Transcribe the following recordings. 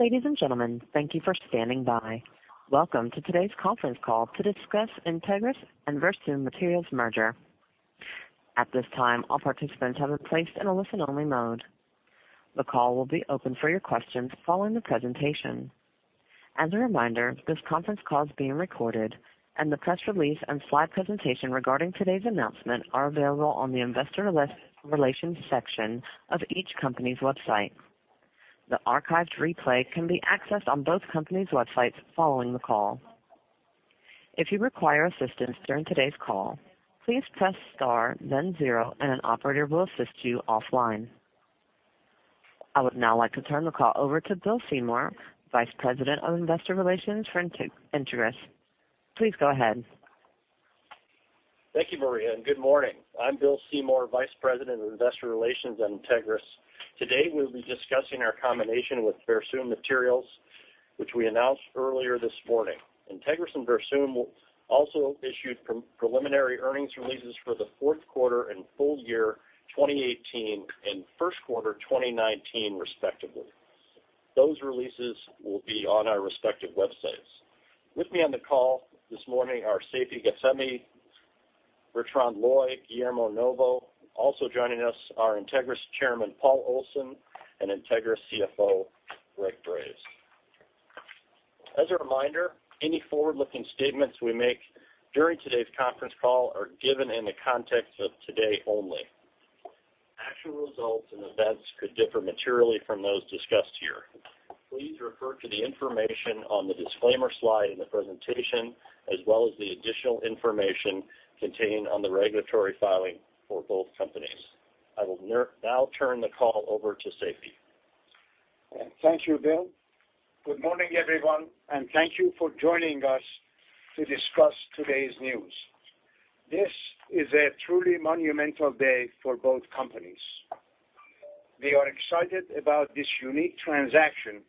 Ladies and gentlemen, thank you for standing by. Welcome to today's conference call to discuss Entegris and Versum Materials merger. At this time, all participants have been placed in a listen-only mode. The call will be open for your questions following the presentation. As a reminder, this conference call is being recorded, and the press release and slide presentation regarding today's announcement are available on the Investor Relations section of each company's website. The archived replay can be accessed on both companies' websites following the call. If you require assistance during today's call, please press star then zero, and an operator will assist you offline. I would now like to turn the call over to Bill Seymour, Vice President of Investor Relations for Entegris. Please go ahead. Thank you, Maria, and good morning. I'm Bill Seymour, Vice President of Investor Relations at Entegris. Today, we'll be discussing our combination with Versum Materials, which we announced earlier this morning. Entegris and Versum also issued preliminary earnings releases for the fourth quarter and full year 2018 and first quarter 2019, respectively. Those releases will be on our respective websites. With me on the call this morning are Seifi Ghassemi, Bertrand Loy, Guillermo Novo. Also joining us are Entegris Chairman, Paul Olson, and Entegris CFO, Greg Graves. As a reminder, any forward-looking statements we make during today's conference call are given in the context of today only. Actual results and events could differ materially from those discussed here. Please refer to the information on the disclaimer slide in the presentation, as well as the additional information contained on the regulatory filing for both companies. I will now turn the call over to Seifi. Thank you, Bill. Good morning, everyone, and thank you for joining us to discuss today's news. This is a truly monumental day for both companies. We are excited about this unique transaction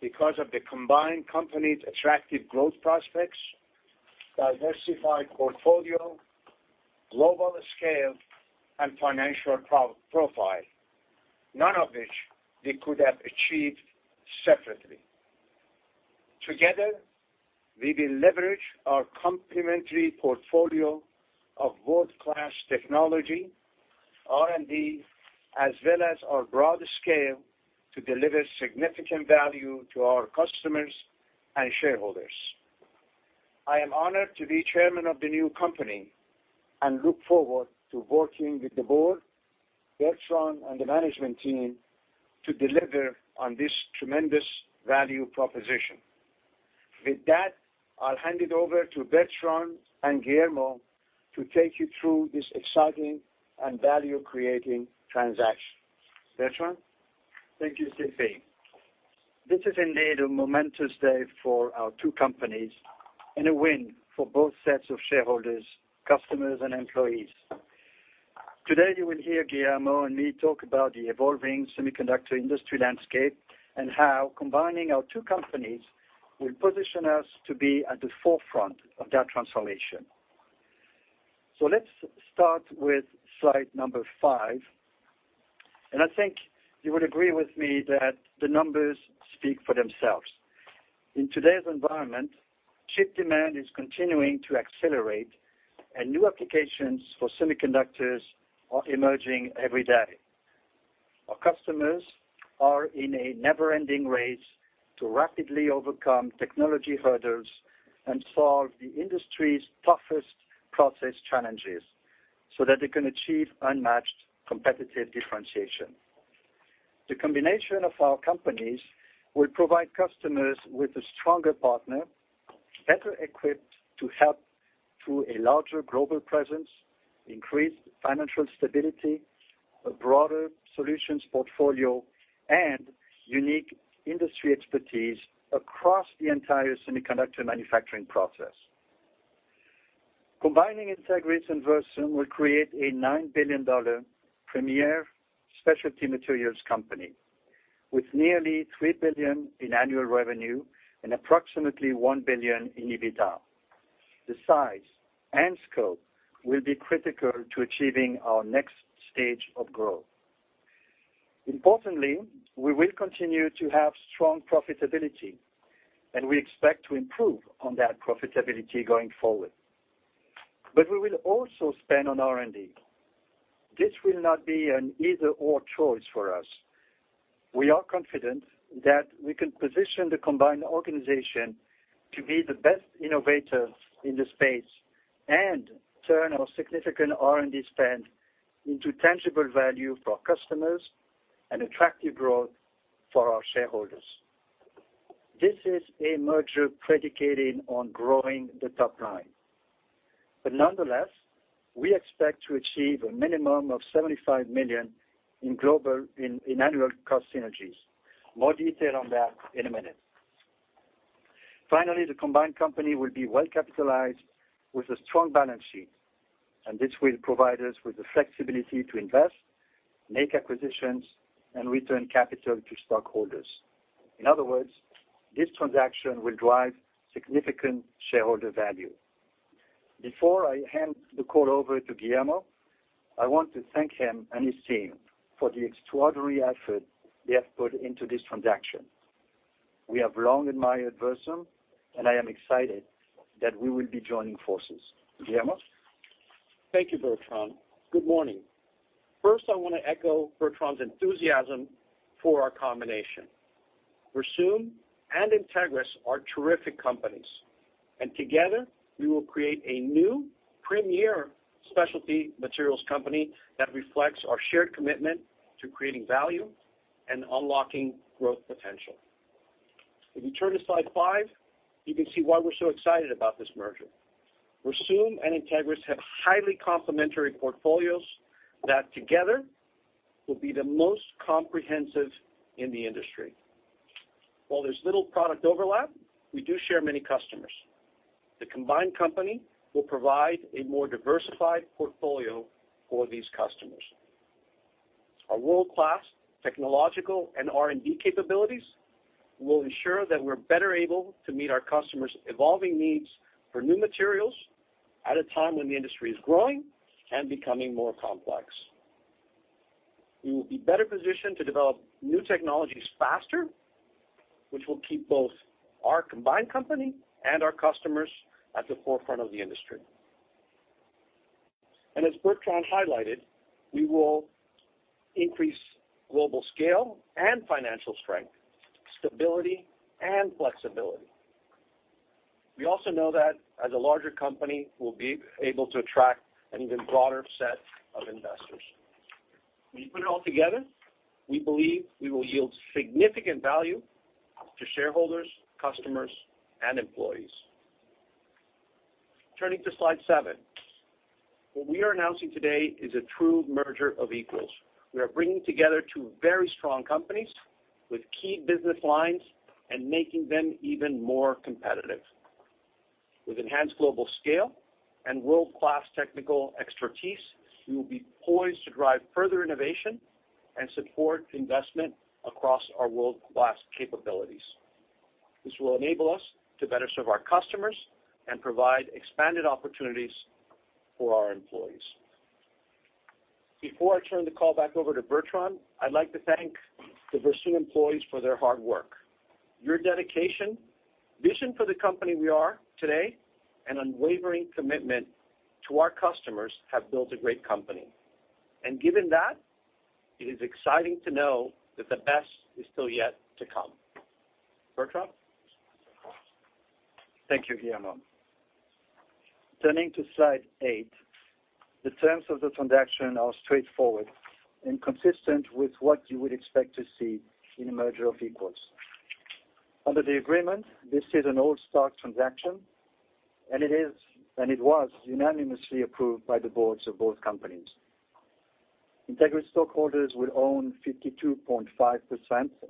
because of the combined company's attractive growth prospects, diversified portfolio, global scale, and financial profile, none of which we could have achieved separately. Together, we will leverage our complementary portfolio of world-class technology, R&D, as well as our broad scale to deliver significant value to our customers and shareholders. I am honored to be chairman of the new company and look forward to working with the board, Bertrand, and the management team to deliver on this tremendous value proposition. With that, I'll hand it over to Bertrand and Guillermo to take you through this exciting and value-creating transaction. Bertrand? Thank you, Seifi. This is indeed a momentous day for our two companies and a win for both sets of shareholders, customers, and employees. Today, you will hear Guillermo and me talk about the evolving semiconductor industry landscape and how combining our two companies will position us to be at the forefront of that transformation. Let's start with slide number five. I think you would agree with me that the numbers speak for themselves. In today's environment, chip demand is continuing to accelerate, and new applications for semiconductors are emerging every day. Our customers are in a never-ending race to rapidly overcome technology hurdles and solve the industry's toughest process challenges so that they can achieve unmatched competitive differentiation. The combination of our companies will provide customers with a stronger partner, better equipped to help through a larger global presence, increased financial stability, a broader solutions portfolio, and unique industry expertise across the entire semiconductor manufacturing process. Combining Entegris and Versum will create a $9 billion premier specialty materials company with nearly $3 billion in annual revenue and approximately $1 billion in EBITDA. The size and scope will be critical to achieving our next stage of growth. Importantly, we will continue to have strong profitability, and we expect to improve on that profitability going forward. We will also spend on R&D. This will not be an either/or choice for us. We are confident that we can position the combined organization to be the best innovator in the space and turn our significant R&D spend into tangible value for our customers and attractive growth for our shareholders. This is a merger predicated on growing the top line. Nonetheless, we expect to achieve a minimum of $75 million in annual cost synergies. More detail on that in a minute. Finally, the combined company will be well capitalized with a strong balance sheet, and this will provide us with the flexibility to invest, make acquisitions, and return capital to stockholders. In other words, this transaction will drive significant shareholder value. Before I hand the call over to Guillermo, I want to thank him and his team for the extraordinary effort they have put into this transaction. We have long admired Versum, and I am excited that we will be joining forces. Guillermo? Thank you, Bertrand. Good morning. First, I want to echo Bertrand's enthusiasm for our combination. Versum and Entegris are terrific companies, and together we will create a new premier specialty materials company that reflects our shared commitment to creating value and unlocking growth potential. If you turn to slide five, you can see why we're so excited about this merger. Versum and Entegris have highly complementary portfolios that together will be the most comprehensive in the industry. While there's little product overlap, we do share many customers. The combined company will provide a more diversified portfolio for these customers. Our world-class technological and R&D capabilities will ensure that we're better able to meet our customers' evolving needs for new materials at a time when the industry is growing and becoming more complex. We will be better positioned to develop new technologies faster, which will keep both our combined company and our customers at the forefront of the industry. As Bertrand highlighted, we will increase global scale and financial strength, stability, and flexibility. We also know that as a larger company, we'll be able to attract an even broader set of investors. When you put it all together, we believe we will yield significant value to shareholders, customers, and employees. Turning to slide seven. What we are announcing today is a true merger of equals. We are bringing together two very strong companies with key business lines and making them even more competitive. With enhanced global scale and world-class technical expertise, we will be poised to drive further innovation and support investment across our world-class capabilities. This will enable us to better serve our customers and provide expanded opportunities for our employees. Before I turn the call back over to Bertrand, I'd like to thank the Versum employees for their hard work. Your dedication, vision for the company we are today, and unwavering commitment to our customers have built a great company. Given that, it is exciting to know that the best is still yet to come. Bertrand? Thank you, Guillermo. Turning to slide eight, the terms of the transaction are straightforward and consistent with what you would expect to see in a merger of equals. Under the agreement, this is an all-stock transaction, and it was unanimously approved by the boards of both companies. Entegris stockholders will own 52.5%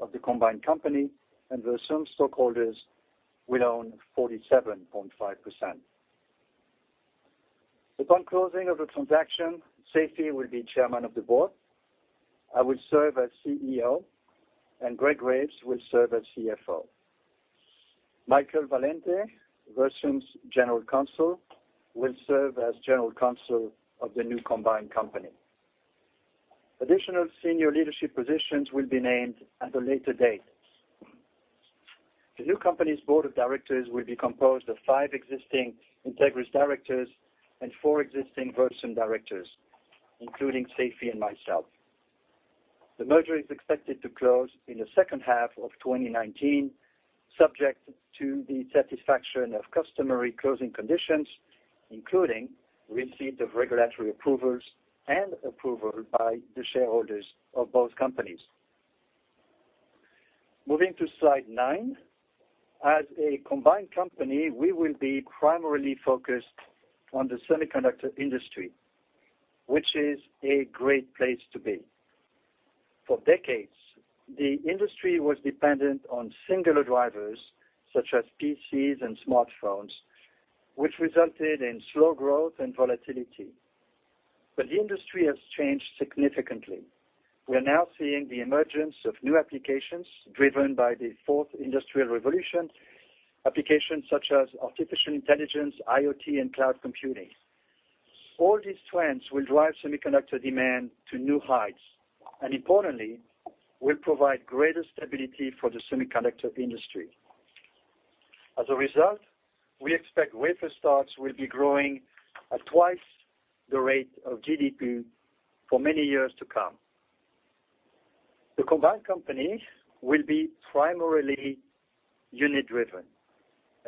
of the combined company, and Versum stockholders will own 47.5%. Upon closing of the transaction, Seifi will be chairman of the board. I will serve as CEO, and Greg Graves will serve as CFO. Michael Valente, Versum's General Counsel, will serve as General Counsel of the new combined company. Additional senior leadership positions will be named at a later date. The new company's board of directors will be composed of five existing Entegris directors and four existing Versum directors, including Seifi and myself. The merger is expected to close in the second half of 2019, subject to the satisfaction of customary closing conditions, including receipt of regulatory approvals and approval by the shareholders of both companies. Moving to slide nine. As a combined company, we will be primarily focused on the semiconductor industry, which is a great place to be. For decades, the industry was dependent on singular drivers such as PCs and smartphones, which resulted in slow growth and volatility. The industry has changed significantly. We are now seeing the emergence of new applications driven by the fourth industrial revolution, applications such as artificial intelligence, IoT, and cloud computing. All these trends will drive semiconductor demand to new heights, and importantly, will provide greater stability for the semiconductor industry. As a result, we expect wafer starts will be growing at twice the rate of GDP for many years to come. The combined company will be primarily unit-driven, and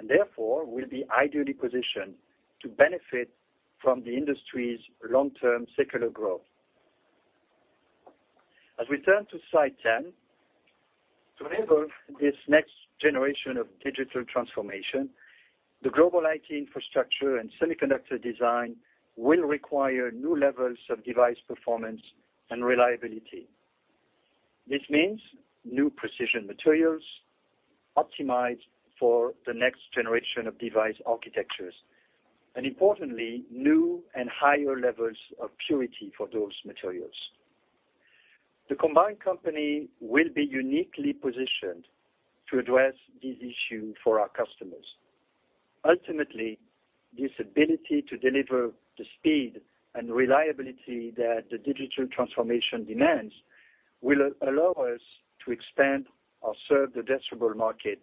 therefore, will be ideally positioned to benefit from the industry's long-term secular growth. As we turn to slide 10, to enable this next generation of digital transformation, the global IT infrastructure and semiconductor design will require new levels of device performance and reliability. This means new precision materials optimized for the next generation of device architectures, and importantly, new and higher levels of purity for those materials. The combined company will be uniquely positioned to address this issue for our customers. Ultimately, this ability to deliver the speed and reliability that the digital transformation demands will allow us to expand or serve the addressable market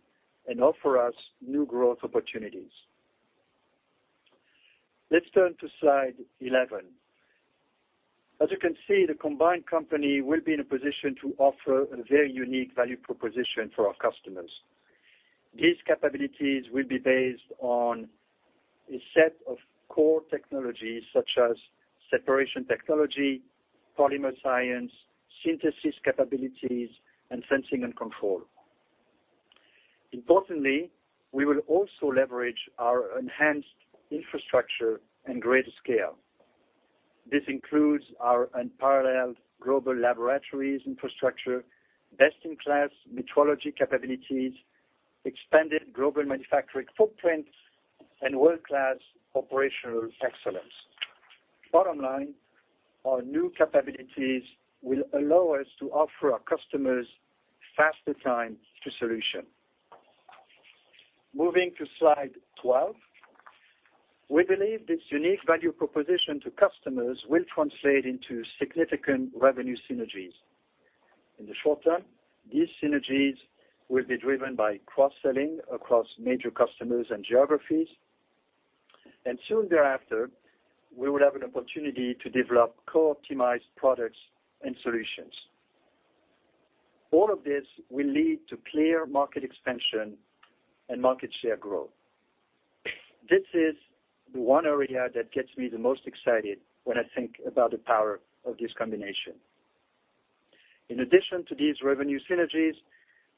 and offer us new growth opportunities. Let's turn to slide 11. As you can see, the combined company will be in a position to offer a very unique value proposition for our customers. These capabilities will be based on a set of core technologies such as separation technology, polymer science, synthesis capabilities, and sensing and control. Importantly, we will also leverage our enhanced infrastructure and greater scale. This includes our unparalleled global laboratories infrastructure, best-in-class metrology capabilities, expanded global manufacturing footprint, and world-class operational excellence. Bottom line, our new capabilities will allow us to offer our customers faster time to solution. Moving to slide 12. We believe this unique value proposition to customers will translate into significant revenue synergies. In the short term, these synergies will be driven by cross-selling across major customers and geographies, and soon thereafter, we will have an opportunity to develop co-optimized products and solutions. All of this will lead to clear market expansion and market share growth. This is the one area that gets me the most excited when I think about the power of this combination. In addition to these revenue synergies,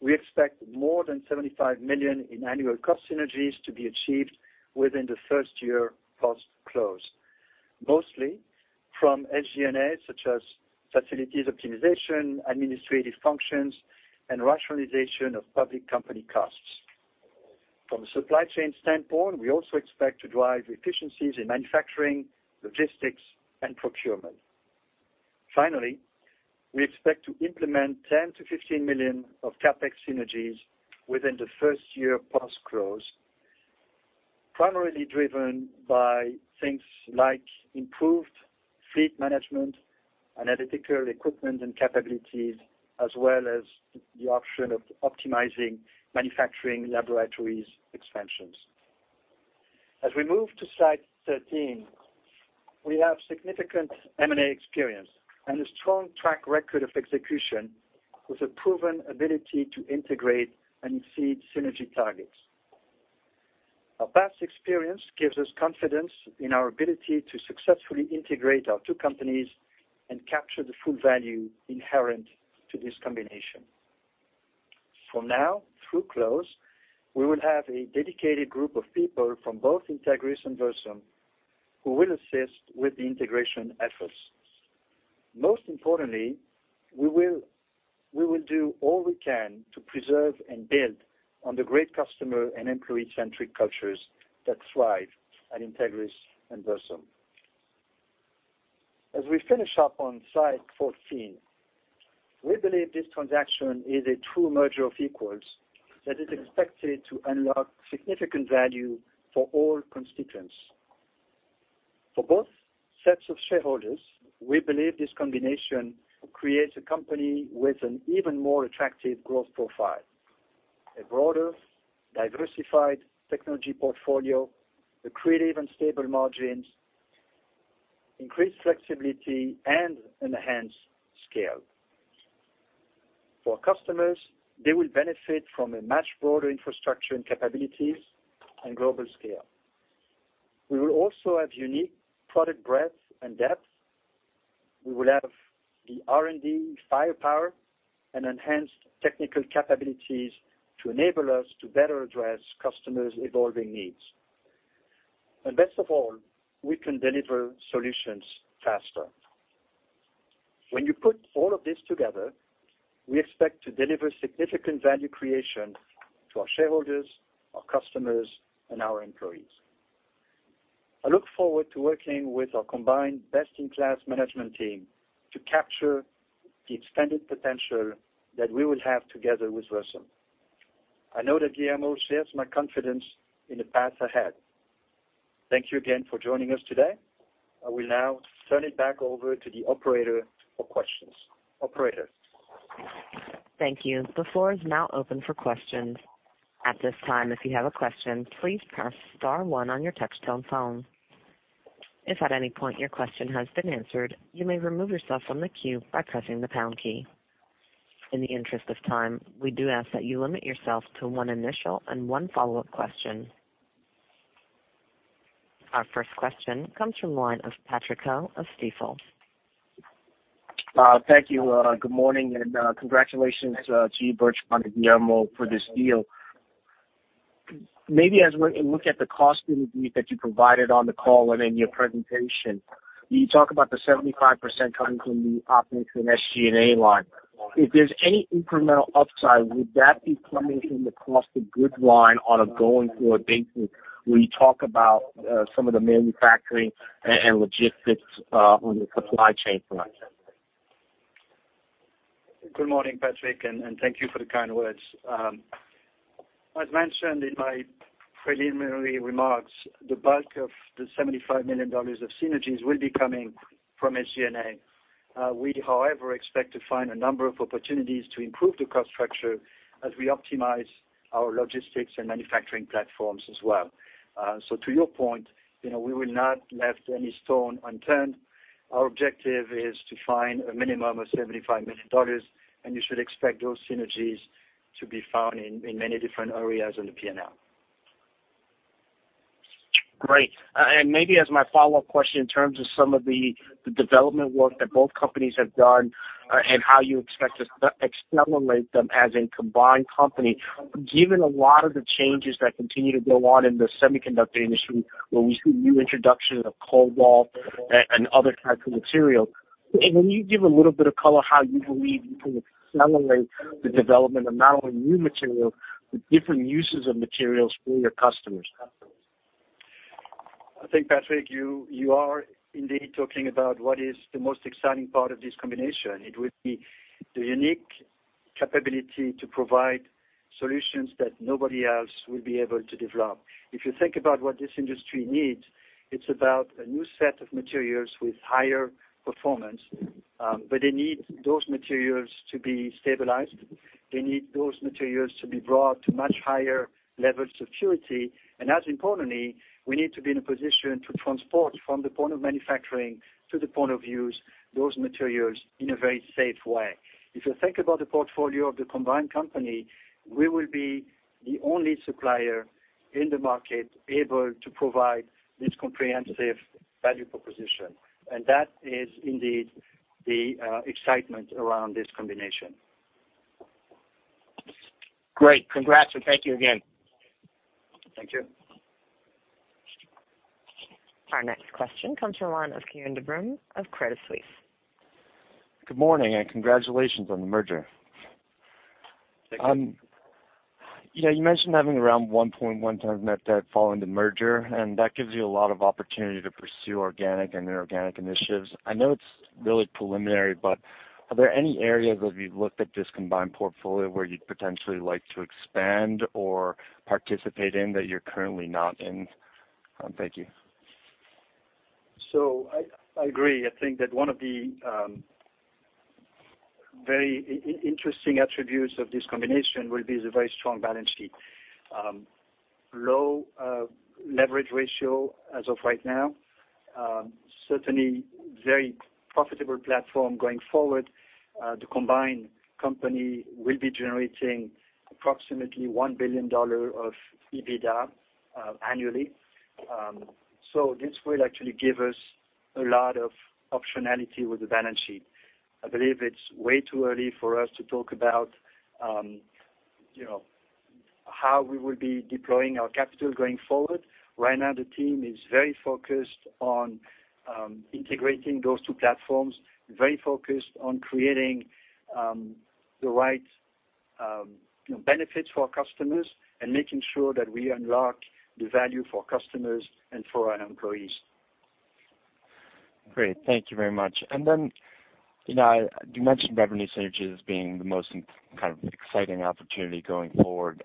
we expect more than $75 million in annual cost synergies to be achieved within the first year post-close, mostly from SG&A, such as facilities optimization, administrative functions, and rationalization of public company costs. From a supply chain standpoint, we also expect to drive efficiencies in manufacturing, logistics, and procurement. Finally, we expect to implement $10 million-$15 million of CapEx synergies within the first year post-close, primarily driven by things like improved fleet management and analytical equipment and capabilities, as well as the option of optimizing manufacturing laboratories expansions. As we move to slide 13, we have significant M&A experience and a strong track record of execution with a proven ability to integrate and exceed synergy targets. Our past experience gives us confidence in our ability to successfully integrate our two companies and capture the full value inherent to this combination. From now through close, we will have a dedicated group of people from both Entegris and Versum who will assist with the integration efforts. Most importantly, we will do all we can to preserve and build on the great customer and employee-centric cultures that thrive at Entegris and Versum. As we finish up on slide 14, we believe this transaction is a true merger of equals that is expected to unlock significant value for all constituents. For both sets of shareholders, we believe this combination creates a company with an even more attractive growth profile, a broader diversified technology portfolio, accretive and stable margins, increased flexibility, and enhanced scale. For customers, they will benefit from a much broader infrastructure and capabilities and global scale. We will also have unique product breadth and depth. We will have the R&D firepower and enhanced technical capabilities to enable us to better address customers' evolving needs. Best of all, we can deliver solutions faster. When you put all of this together, we expect to deliver significant value creation to our shareholders, our customers, and our employees. I look forward to working with our combined best-in-class management team to capture the extended potential that we will have together with Versum. I know that Guillermo shares my confidence in the path ahead. Thank you again for joining us today. I will now turn it back over to the operator for questions. Operator? Thank you. The floor is now open for questions. At this time, if you have a question, please press star one on your touchtone phone. If at any point your question has been answered, you may remove yourself from the queue by pressing the pound key. In the interest of time, we do ask that you limit yourself to one initial and one follow-up question. Our first question comes from the line of Patrick Ho of Stifel. Thank you. Good morning, and congratulations to you, Bertrand, and Guillermo for this deal. Maybe as we look at the cost synergy that you provided on the call and in your presentation, you talk about the 75% coming from the operating and SG&A line. If there's any incremental upside, would that be coming from across the gross line on a going forward basis when you talk about some of the manufacturing and logistics on the supply chain front? Good morning, Patrick, and thank you for the kind words. As mentioned in my preliminary remarks, the bulk of the $75 million of synergies will be coming from SG&A. We, however, expect to find a number of opportunities to improve the cost structure as we optimize our logistics and manufacturing platforms as well. To your point, we will not left any stone unturned. Our objective is to find a minimum of $75 million, and you should expect those synergies to be found in many different areas in the P&L. Great. Maybe as my follow-up question, in terms of some of the development work that both companies have done and how you expect to accelerate them as a combined company, given a lot of the changes that continue to go on in the semiconductor industry, where we see new introduction of cold wall and other types of material. Can you give a little bit of color how you believe you can accelerate the development of not only new material, but different uses of materials for your customers? I think, Patrick, you are indeed talking about what is the most exciting part of this combination. It would be the unique capability to provide solutions that nobody else will be able to develop. If you think about what this industry needs, it's about a new set of materials with higher performance, but they need those materials to be stabilized. They need those materials to be brought to much higher levels of purity. As importantly, we need to be in a position to transport from the point of manufacturing to the point of use those materials in a very safe way. If you think about the portfolio of the combined company, we will be the only supplier in the market able to provide this comprehensive value proposition. That is indeed the excitement around this combination. Great. Congrats, and thank you again. Thank you. Our next question comes from the line of Kieran de Brun of Credit Suisse. Good morning, congratulations on the merger. Thank you. You mentioned having around 1.1 times net debt following the merger, that gives you a lot of opportunity to pursue organic and inorganic initiatives. I know it's really preliminary, are there any areas as you've looked at this combined portfolio where you'd potentially like to expand or participate in that you're currently not in? Thank you. I agree. I think that one of the very interesting attributes of this combination will be the very strong balance sheet. Low leverage ratio as of right now. Certainly, very profitable platform going forward. The combined company will be generating approximately $1 billion of EBITDA annually. This will actually give us a lot of optionality with the balance sheet. I believe it's way too early for us to talk about how we will be deploying our capital going forward. Right now, the team is very focused on integrating those two platforms, very focused on creating the right benefits for our customers and making sure that we unlock the value for customers and for our employees. Great. Thank you very much. You mentioned revenue synergies being the most exciting opportunity going forward.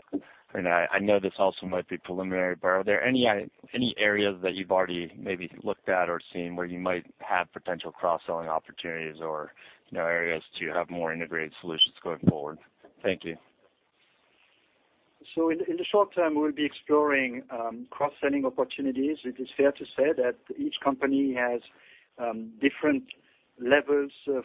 I know this also might be preliminary, are there any areas that you've already maybe looked at or seen where you might have potential cross-selling opportunities or areas to have more integrated solutions going forward? Thank you. In the short term, we'll be exploring cross-selling opportunities. It is fair to say that each company has different levels of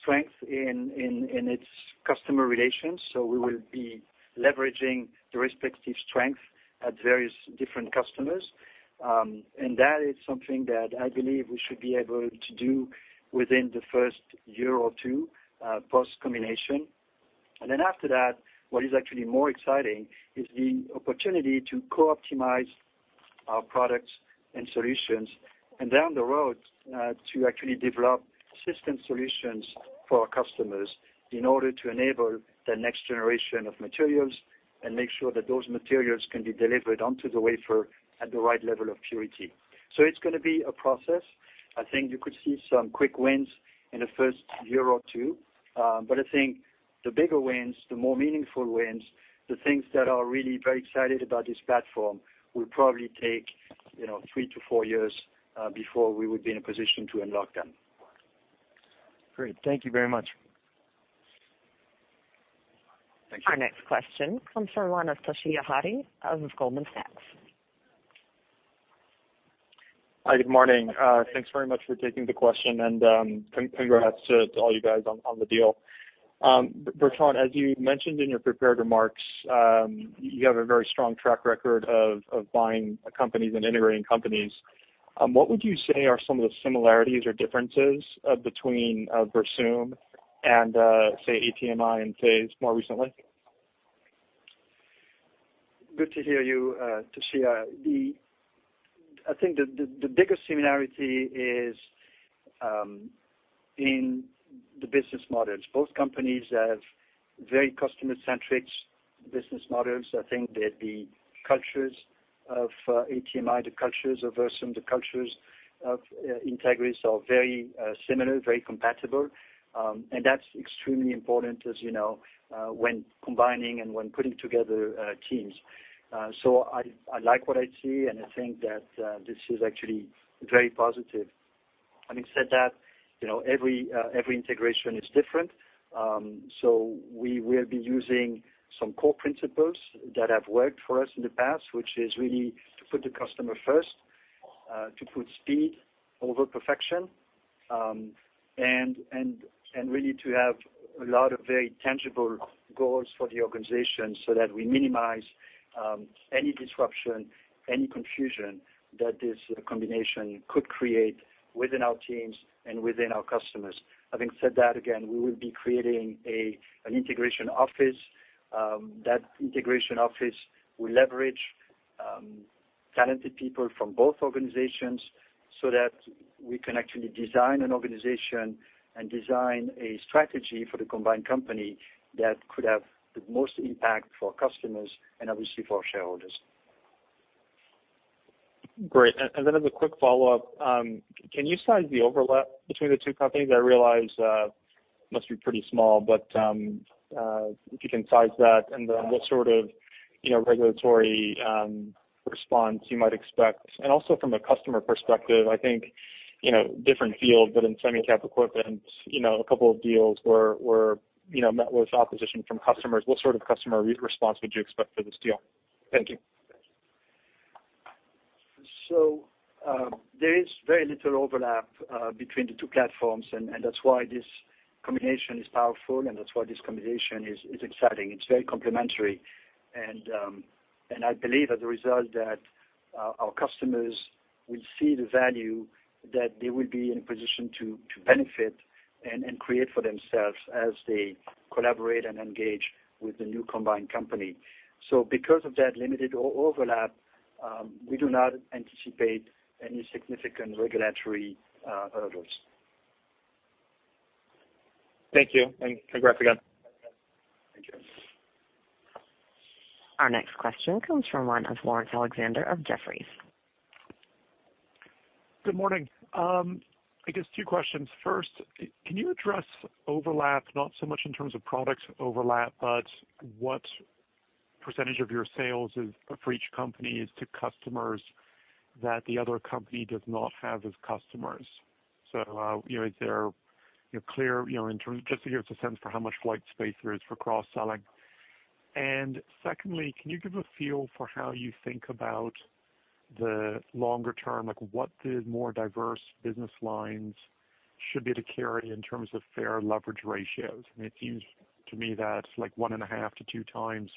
strength in its customer relations. We will be leveraging the respective strength at various different customers. That is something that I believe we should be able to do within the first year or two post combination. After that, what is actually more exciting is the opportunity to co-optimize our products and solutions, and down the road to actually develop system solutions for our customers in order to enable the next generation of materials and make sure that those materials can be delivered onto the wafer at the right level of purity. It's going to be a process. I think you could see some quick wins in the first year or two. I think the bigger wins, the more meaningful wins, the things that are really very excited about this platform will probably take three to four years before we would be in a position to unlock them. Great. Thank you very much. Thank you. Our next question comes from the line of Toshiya Hari of Goldman Sachs. Hi, good morning. Thanks very much for taking the question and congrats to all you guys on the deal. Bertrand, as you mentioned in your prepared remarks, you have a very strong track record of buying companies and integrating companies. What would you say are some of the similarities or differences between Versum and, say, ATMI and PACE more recently? Good to hear you, Toshiya. I think the biggest similarity is in the business models. Both companies have very customer-centric business models. I think that the cultures of ATMI, the cultures of Versum, the cultures of Entegris are very similar, very compatible. That's extremely important, as you know, when combining and when putting together teams. I like what I see, and I think that this is actually very positive. Having said that, every integration is different. We will be using some core principles that have worked for us in the past, which is really to put the customer first, to put speed over perfection, and really to have a lot of very tangible goals for the organization so that we minimize any disruption, any confusion that this combination could create within our teams and within our customers. Having said that, again, we will be creating an integration office. That integration office will leverage talented people from both organizations so that we can actually design an organization and design a strategy for the combined company that could have the most impact for our customers and obviously for our shareholders. Great. Then as a quick follow-up, can you size the overlap between the two companies? I realize it must be pretty small, but if you can size that and then what sort of regulatory response you might expect. Also from a customer perspective, I think different field, but in semi-cap equipment, a couple of deals were met with opposition from customers. What sort of customer response would you expect for this deal? Thank you. There is very little overlap between the two platforms, and that's why this combination is powerful and that's why this combination is exciting. It's very complementary. I believe as a result that our customers will see the value that they will be in a position to benefit and create for themselves as they collaborate and engage with the new combined company. Because of that limited overlap, we do not anticipate any significant regulatory hurdles. Thank you, and congrats again. Thank you. Our next question comes from one of Laurence Alexander of Jefferies. Good morning. I guess two questions. First, can you address overlap, not so much in terms of product overlap, but what percentage of your sales for each company is to customers that the other company does not have as customers? Is there clear in terms—just to give us a sense for how much white space there is for cross-selling. Secondly, can you give a feel for how you think about the longer term, like what the more diverse business lines should be to carry in terms of fair leverage ratios? It seems to me that like 1.5x-2x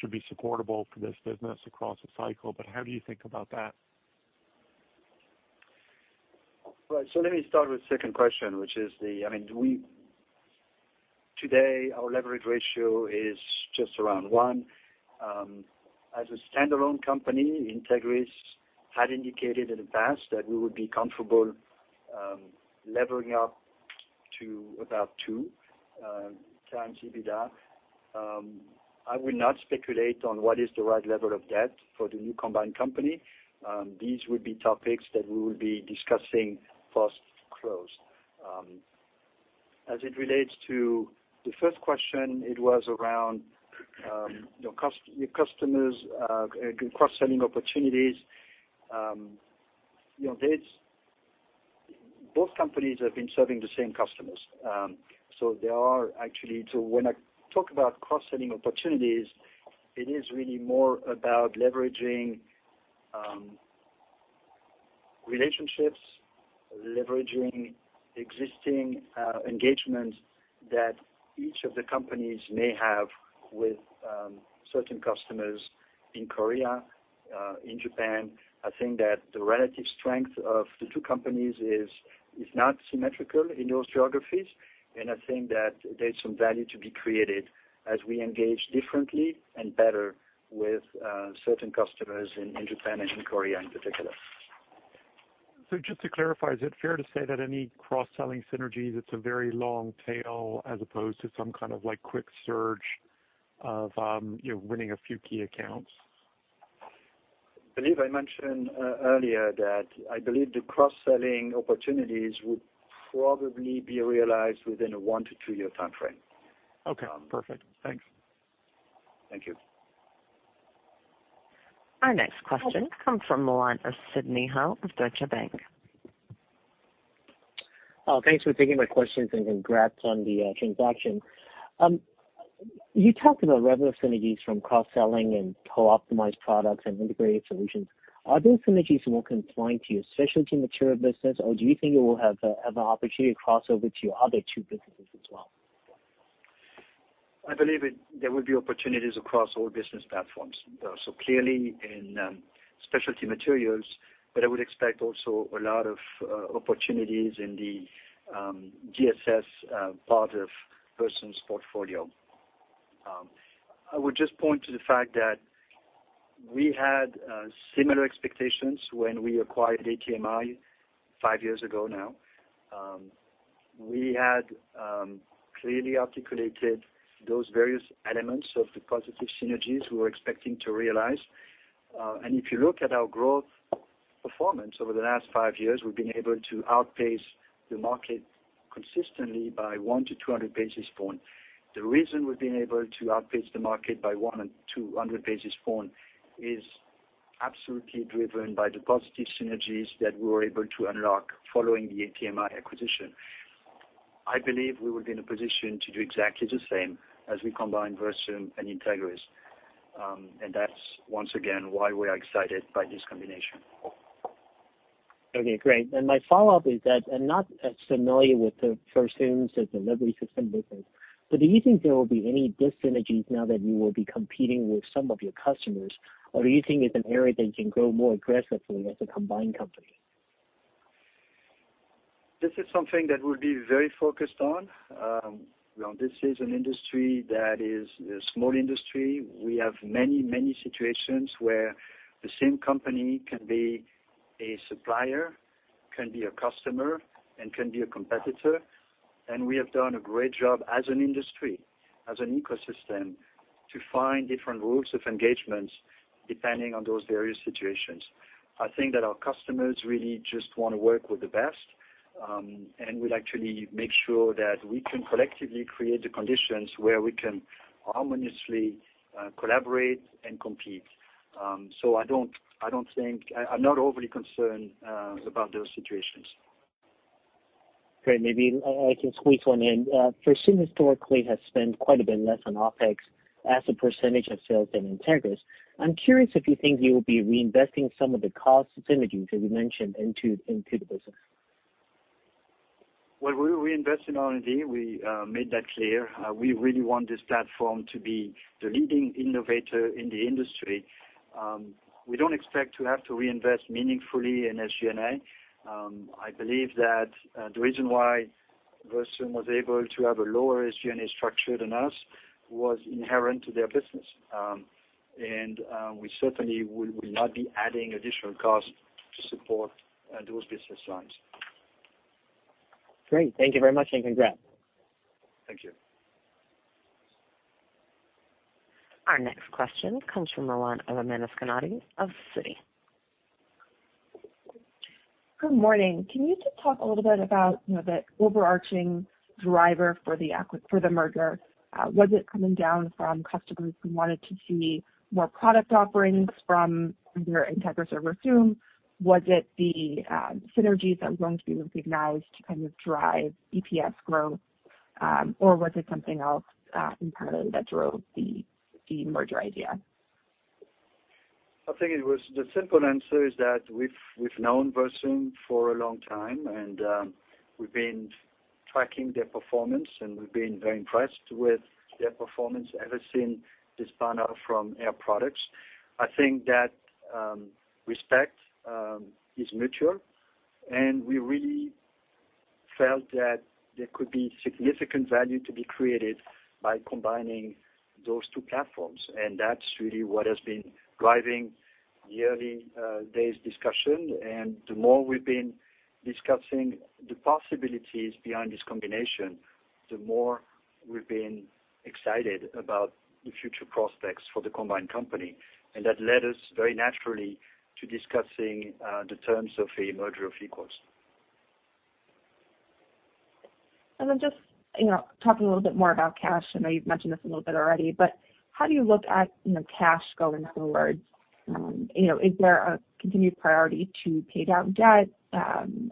should be supportable for this business across a cycle, how do you think about that? Right. Let me start with the second question, which is I mean, today our leverage ratio is just around one. As a standalone company, Entegris had indicated in the past that we would be comfortable levering up to about 2x EBITDA. I will not speculate on what is the right level of debt for the new combined company. These would be topics that we will be discussing post-close. As it relates to the first question, it was around your customers, good cross-selling opportunities. Both companies have been serving the same customers. When I talk about cross-selling opportunities, it is really more about leveraging relationships, leveraging existing engagements that each of the companies may have with certain customers in Korea, in Japan. I think that the relative strength of the two companies is not symmetrical in those geographies. I think that there's some value to be created as we engage differently and better with certain customers in Japan and in Korea in particular. Just to clarify, is it fair to say that any cross-selling synergies, it's a very long tail as opposed to some kind of quick surge of winning a few key accounts? I believe I mentioned earlier that I believe the cross-selling opportunities would probably be realized within a one to two-year timeframe. Okay, perfect. Thanks. Thank you. Our next question comes from the line of Sidney Ho of Deutsche Bank. Thanks for taking my questions and congrats on the transaction. You talked about revenue synergies from cross-selling and co-optimized products and integrated solutions. Are those synergies more confined to your Specialty Materials business, or do you think it will have an opportunity to cross over to your other two businesses as well? I believe there will be opportunities across all business platforms. Clearly in Specialty Materials, but I would expect also a lot of opportunities in the GSS part of Versum's portfolio. I would just point to the fact that we had similar expectations when we acquired ATMI five years ago now. We had clearly articulated those various elements of the positive synergies we were expecting to realize. If you look at our growth performance over the last five years, we've been able to outpace the market consistently by 100-200 basis points. The reason we've been able to outpace the market by 100 and 200 basis points is absolutely driven by the positive synergies that we were able to unlock following the ATMI acquisition. I believe we will be in a position to do exactly the same as we combine Versum and Entegris. That's, once again, why we are excited by this combination. Okay, great. My follow-up is that I'm not as familiar with the Versum's delivery system business, do you think there will be any dis-synergies now that you will be competing with some of your customers? Do you think it's an area that can grow more aggressively as a combined company? This is something that we'll be very focused on. This is an industry that is a small industry. We have many situations where the same company can be a supplier, can be a customer, and can be a competitor. We have done a great job as an industry, as an ecosystem, to find different rules of engagements depending on those various situations. I think that our customers really just want to work with the best. We'd actually make sure that we can collectively create the conditions where we can harmoniously collaborate and compete. I'm not overly concerned about those situations. Great. Maybe I can squeeze one in. Versum historically has spent quite a bit less on OpEx as a percentage of sales than Entegris. I'm curious if you think you will be reinvesting some of the cost synergies that you mentioned into the business. Well, we will reinvest in R&D. We made that clear. We really want this platform to be the leading innovator in the industry. We don't expect to have to reinvest meaningfully in SG&A. I believe that the reason why Versum was able to have a lower SG&A structure than us was inherent to their business. We certainly will not be adding additional cost to support those business lines. Great. Thank you very much, and congrats. Thank you. Our next question comes from the line of Amanda Scarnati of Citi. Good morning. Can you just talk a little bit about the overarching driver for the merger? Was it coming down from customers who wanted to see more product offerings from either Entegris or Versum? Was it the synergies that were going to be recognized to kind of drive EPS growth? Or was it something else entirely that drove the merger idea? I think the simple answer is that we've known Versum for a long time, and we've been tracking their performance, and we've been very impressed with their performance ever since they spun out from Air Products. I think that respect is mutual, and we really felt that there could be significant value to be created by combining those two platforms. That's really what has been driving the early days discussion. The more we've been discussing the possibilities behind this combination, the more we've been excited about the future prospects for the combined company. That led us very naturally to discussing the terms of a merger of equals. Just talking a little bit more about cash, I know you've mentioned this a little bit already, but how do you look at cash going forward? Is there a continued priority to pay down debt?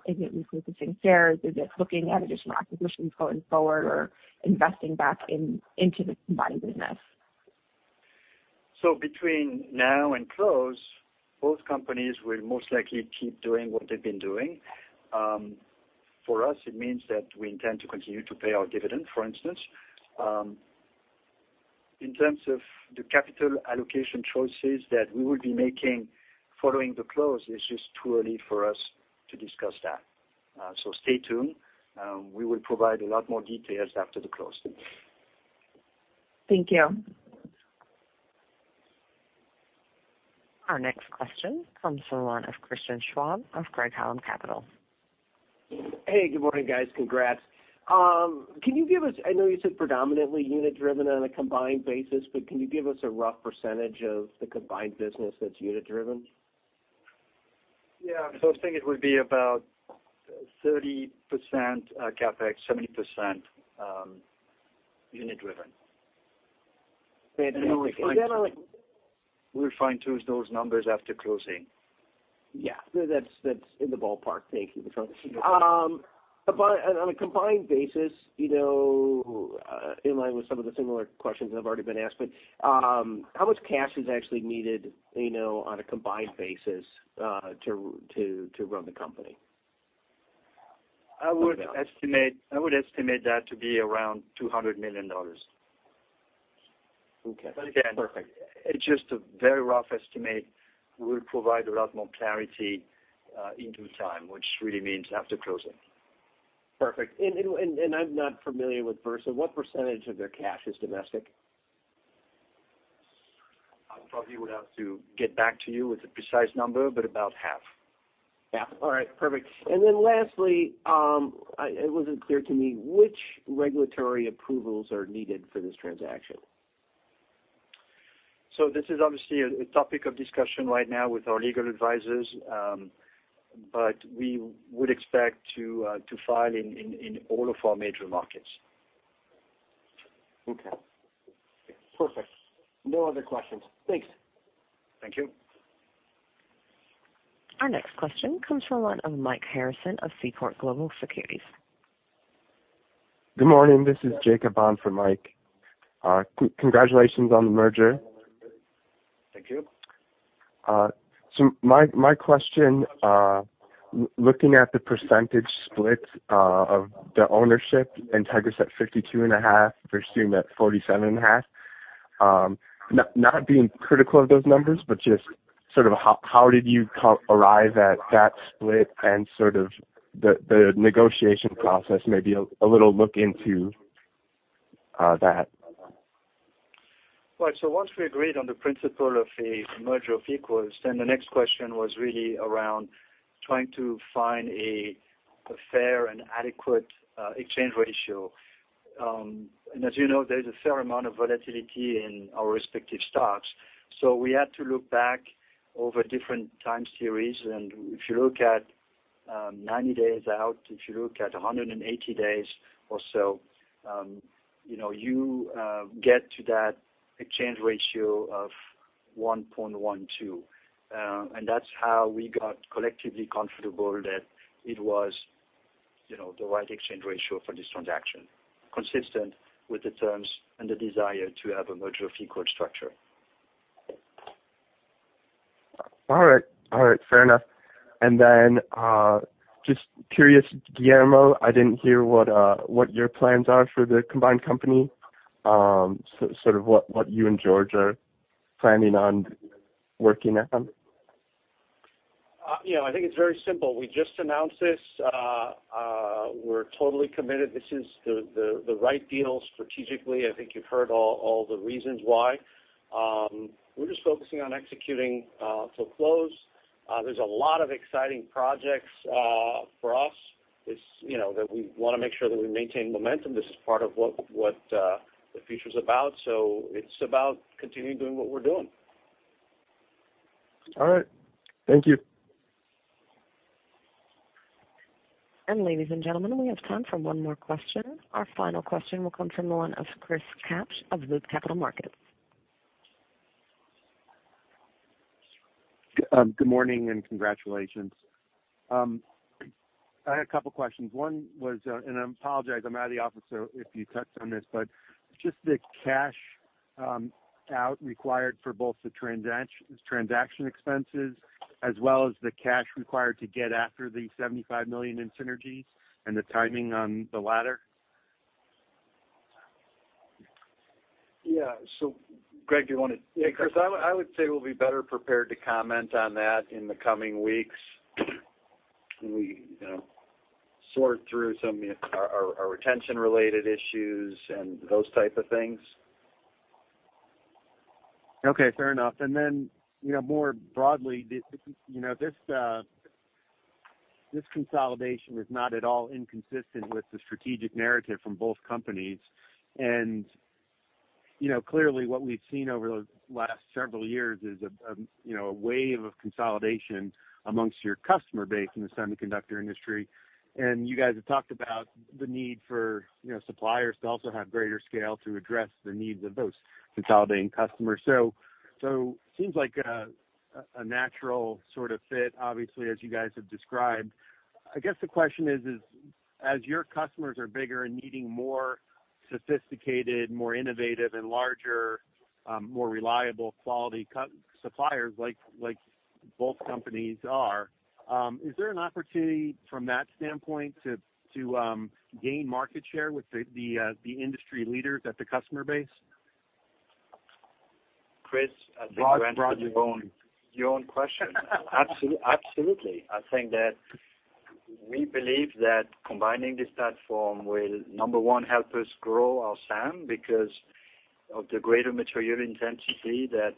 Is it repurchasing shares? Is it looking at additional acquisitions going forward or investing back into the combined business? Between now and close, both companies will most likely keep doing what they've been doing. For us, it means that we intend to continue to pay our dividend, for instance. In terms of the capital allocation choices that we will be making following the close, it's just too early for us to discuss that. Stay tuned. We will provide a lot more details after the close. Thank you. Our next question comes from the line of Christian Schwab of Craig-Hallum Capital. Hey, good morning, guys. Congrats. I know you said predominantly unit-driven on a combined basis. Can you give us a rough percentage of the combined business that's unit-driven? Yeah. I think it would be about 30% CapEx, 70% unit-driven. And then on- We'll fine-tune those numbers after closing. Yeah. That's in the ballpark. Thank you. On a combined basis, in line with some of the similar questions that have already been asked, how much cash is actually needed on a combined basis to run the company? I would estimate that to be around $200 million. Okay, perfect. It's just a very rough estimate. We'll provide a lot more clarity in due time, which really means after closing. Perfect. I'm not familiar with Versum. What percentage of their cash is domestic? I probably would have to get back to you with a precise number, but about half. Half. All right, perfect. Lastly, it wasn't clear to me which regulatory approvals are needed for this transaction. This is obviously a topic of discussion right now with our legal advisors, but we would expect to file in all of our major markets. Okay. Perfect. No other questions. Thanks. Thank you. Our next question comes from the line of Mike Harrison of Seaport Global Securities. Good morning. This is Jacob on for Mike. Congratulations on the merger. Thank you. My question, looking at the percentage split of the ownership, Entegris at 52.5% versus Versum at 47.5%. Not being critical of those numbers, but just sort of how did you arrive at that split and sort of the negotiation process, maybe a little look into that. Right. Once we agreed on the principle of a merger of equals, the next question was really around trying to find a fair and adequate exchange ratio. As you know, there's a fair amount of volatility in our respective stocks. We had to look back over different time series, if you look at 90 days out, if you look at 180 days or so, you get to that exchange ratio of 1.12. That's how we got collectively comfortable that it was the right exchange ratio for this transaction, consistent with the terms and the desire to have a merger of equal structure. All right. Fair enough. Just curious, Guillermo, I didn't hear what your plans are for the combined company. Sort of what you and George are planning on working on. I think it's very simple. We just announced this. We're totally committed. This is the right deal strategically. I think you've heard all the reasons why. We're just focusing on executing till close. There's a lot of exciting projects for us. We want to make sure that we maintain momentum. This is part of what the future's about. It's about continuing doing what we're doing. All right. Thank you. Ladies and gentlemen, we have time for one more question. Our final question will come from the line of Chris Kapsch of Loop Capital Markets. Good morning, congratulations. I had a couple questions. One was, I apologize, I'm out of the office, if you touched on this, just the cash out required for both the transaction expenses as well as the cash required to get after the $75 million in synergies and the timing on the latter. Yeah. Greg, do you want to- Yeah, Chris, I would say we'll be better prepared to comment on that in the coming weeks when we sort through some of our retention-related issues and those type of things. Okay, fair enough. More broadly, this consolidation is not at all inconsistent with the strategic narrative from both companies. Clearly what we've seen over the last several years is a wave of consolidation amongst your customer base in the semiconductor industry. You guys have talked about the need for suppliers to also have greater scale to address the needs of those consolidating customers. Seems like a natural sort of fit, obviously, as you guys have described. I guess the question is, as your customers are bigger and needing more sophisticated, more innovative, and larger, more reliable quality suppliers like both companies are, is there an opportunity from that standpoint to gain market share with the industry leaders at the customer base? Chris, I think you answered- Brought your own. Your own question. Absolutely. I think that we believe that combining this platform will, number one, help us grow our SAM because of the greater material intensity that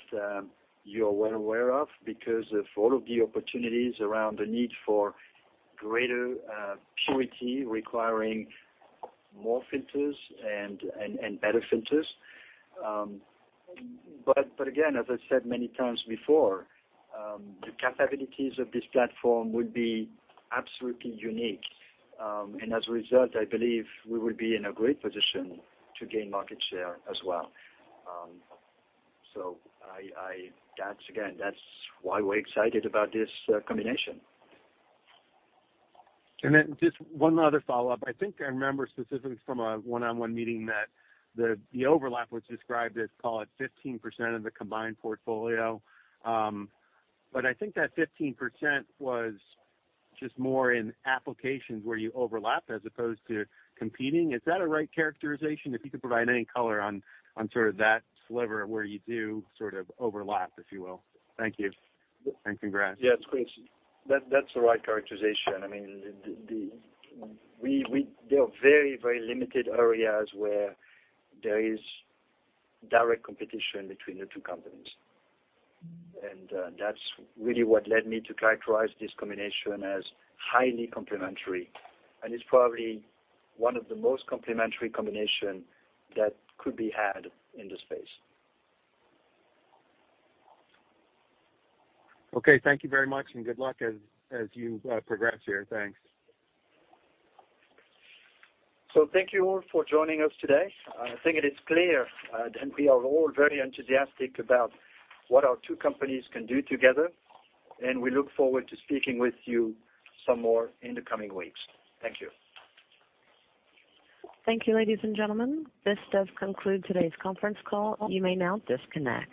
you're well aware of, because of all of the opportunities around the need for greater purity requiring more filters and better filters. Again, as I said many times before, the capabilities of this platform would be absolutely unique. As a result, I believe we will be in a great position to gain market share as well. That's why we're excited about this combination. Just one other follow-up. I think I remember specifically from a one-on-one meeting that the overlap was described as, call it 15% of the combined portfolio. I think that 15% was just more in applications where you overlap as opposed to competing. Is that a right characterization? If you could provide any color on sort of that sliver where you do sort of overlap, if you will. Thank you, and congrats. Yeah, it's Chris. That's the right characterization. There are very limited areas where there is direct competition between the two companies. That's really what led me to characterize this combination as highly complementary, and it's probably one of the most complementary combination that could be had in this space. Okay, thank you very much, and good luck as you progress here. Thanks. Thank you all for joining us today. I think it is clear, and we are all very enthusiastic about what our two companies can do together, and we look forward to speaking with you some more in the coming weeks. Thank you. Thank you, ladies and gentlemen. This does conclude today's conference call. You may now disconnect.